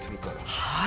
はい。